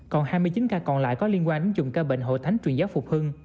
còn hai mươi chín ca còn lại có liên quan đến dùng ca bệnh hội thánh truyền giáo phục hưng